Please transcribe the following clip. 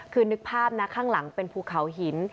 คือนึกภาพนะข้างหลังเป็นภูเขาหิน